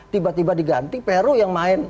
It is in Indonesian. tiba tiba diganti peru yang main